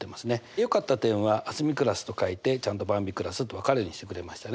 よかった点はあすみクラスと書いてちゃんとばんびクラスと分かるようにしてくれましたね。